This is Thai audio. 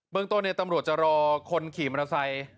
เบื้องต้นตำรวจจะรอคนขี่มันสัย